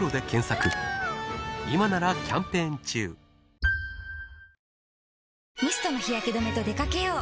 ぷはーっミストの日焼け止めと出掛けよう。